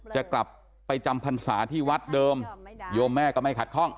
จะกลับไปจำพรรษาที่วัดเดิมโยมแม่ก็ไม่ขัดข้อง